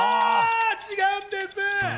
違うんです。